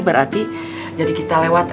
berarti jadi kita lewat